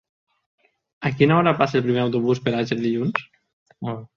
A quina hora passa el primer autobús per Àger dilluns?